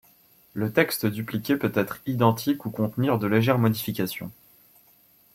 Le texte dupliqué peut être identique ou contenir de légères modifications.